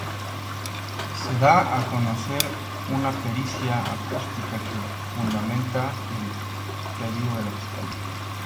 Se da a conocer una pericia acústica que fundamenta el pedido de la Fiscalía.